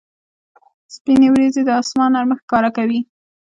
سپینې ورېځې د اسمان نرمښت ښکاره کوي.